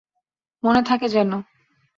মনে থাকে যেনো।